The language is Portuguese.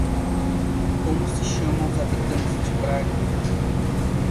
Como se chamam os habitantes de Braga?